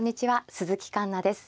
鈴木環那です。